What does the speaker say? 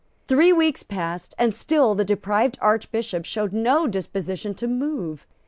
Three weeks passed; and still the deprived Archbishop showed no disposition to move.